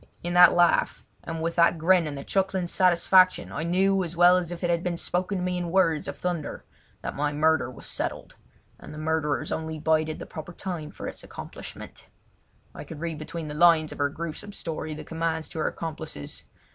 In that laugh and with that grin and the chuckling satisfaction I knew as well as if it had been spoken to me in words of thunder that my murder was settled, and the murderers only bided the proper time for its accomplishment. I could read between the lines of her gruesome story the commands to her accomplices.